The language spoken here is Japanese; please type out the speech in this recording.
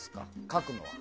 書くのは。